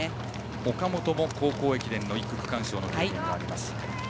岡本も高校駅伝の１区区間賞の経験があります。